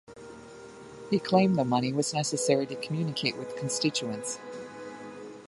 He claimed the money was necessary to communicate with constituents.